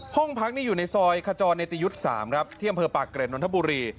ห้องพักนี่อยู่ในซอยขจรเนตยุทธ์๓ครับที่อำเภอปากเกร็ดนนทบุรี